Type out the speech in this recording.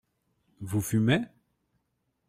Vous fumez ?